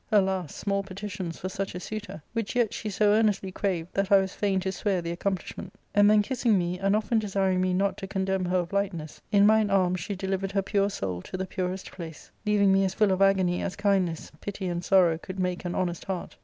Alas ! small petitions for such a suitor ! which yet she so earnestly craved that I was fain to swear the accomplishment And then kissing me, and often desiring me not to condemn her of lightness, in mine arms she delivered her pure soul to the purest place ; leaving me as full of agony as kindness, pity, and sorrow could make an honest heart.